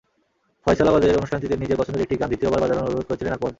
ফয়সলাবাদের অনুষ্ঠানটিতে নিজের পছন্দের একটি গান দ্বিতীয়বার বাজানোর অনুরোধ করেছিলেন আকমল।